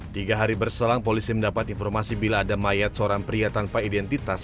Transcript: tiga hari berselang polisi mendapat informasi bila ada mayat seorang pria tanpa identitas